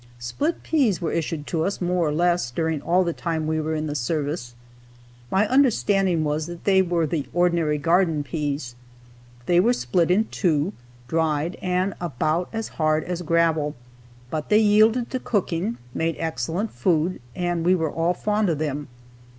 "Split peas" were issued to us, more or less, during all the time we were in the service. My understanding was that they were the ordinary garden peas. They were split in two, dried, and about as hard as gravel. But they yielded to cooking, made excellent food, and we were all fond of them.